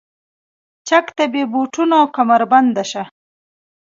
چک ته بې بوټونو او کمربنده شه.